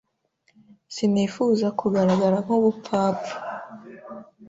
sinifuza kugaragara nk'ubupfapfa.